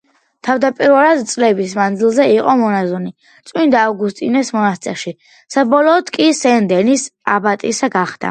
თავდაპირველად წლების მანძილზე იყო მონაზონი წმინდა ავგუსტინეს მონასტერში, საბოლოოდ კი სენ დენის აბატისა გახდა.